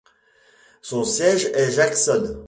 Son siège est Jackson.